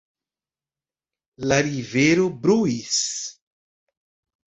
La rivero bruis.